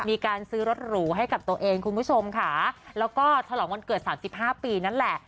มีการซื้อรถหรูให้กับตัวเองคุณผู้ชมค่ะแล้วก็ฉลองวันเกิดสามสิบห้าปีนั่นแหละ